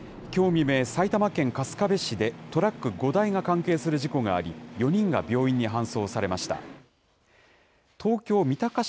きょう未明、埼玉県春日部市で、トラック５台が関係する事故があり、４人が病院に搬送されました。